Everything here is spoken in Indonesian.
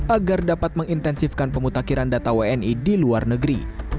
agar dapat mengintensifkan pemutakhiran data wni di luar negeri